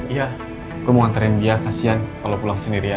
iya gue mau nganterin dia kasian kalau pulang sendirian